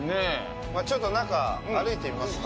ちょっと中、歩いてみますか。